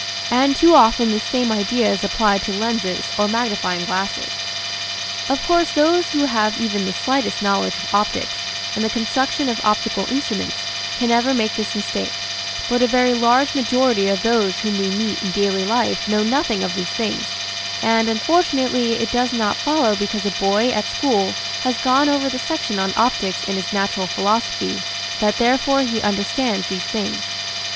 And too often this same idea is applied to lenses or magnifying glasses. 197 198 THE SEVEN FOLLIES OF SCIENCE Of course those who have even the slightest knowledge of optics and the construction of optical instruments can never make this mistake, but a very large majority of those whom we meet in daily life know nothing of these things, and unfortunately it does not follow because a boy at school has gone over the section on optics in his Natural Philosophy, that therefore he understands these things.